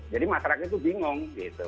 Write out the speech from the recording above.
jadi masyarakat itu bingung